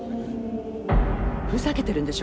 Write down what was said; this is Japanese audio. ふざけてるんでしょう。